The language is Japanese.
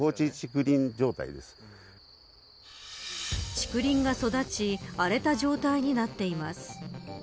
竹林が育ち荒れた状態になっています。